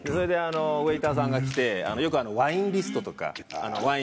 ウエーターさんが来てよくワインリストとか。